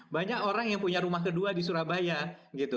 banyak orang yang punya rumah kedua di surabaya gitu